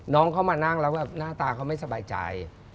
น้องเขามานั่งแล้วแบบหน้าตาเขาไม่สบายใจ